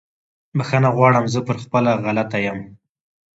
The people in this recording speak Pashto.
بخښنه غواړم زه پر غلطه یم